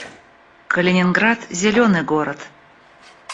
Калининград — зелёный город